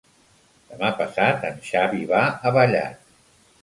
Demà passat en Xavi va a Vallat.